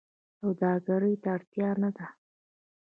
سوداګرۍ ته اړتیا ده